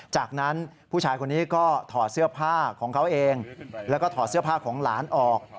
จากนั้นผู้ชายคนนี้ก็ถอดเสื้อผ้าของเขาเองแล้วก็ถอดเสื้อผ้าของหลานออก